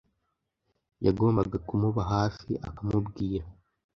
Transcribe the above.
yagombaga kumuba hafi akamubwira